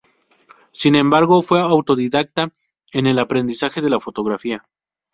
Sin embargo fue autodidacta en el aprendizaje de la fotografía.